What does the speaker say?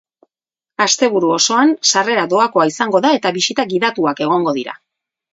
Asteburu osoan, sarrera doakoa izango da eta bisita gidatuak egongo dira.